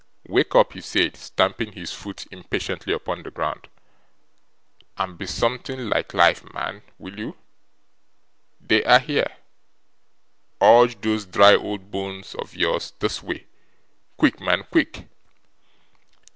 'Wake up,' he said, stamping his foot impatiently upon the ground, 'and be something like life, man, will you? They are here. Urge those dry old bones of yours this way. Quick, man, quick!